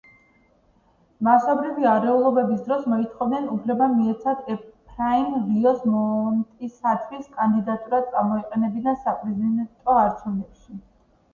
მასობრივი არეულობების დროს მოითხოვდნენ უფლება მიეცათ ეფრაინ რიოს მონტისათვის კანდიდატურა წამოეყენებინა საპრეზიდენტო არჩევნებში.